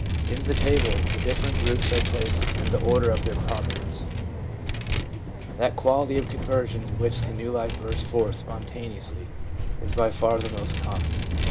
In the table the different groups are placed in the order of their 94 THE PSYCHOLOGY OF RELIGION prominence. That quality of conversion in which the new life bursts forth spontaneously is by far the most common.